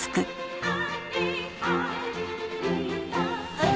はい。